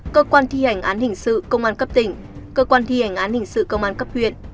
cơ quan thi hành án hình sự công an cấp tỉnh cơ quan thi hành án hình sự công an cấp huyện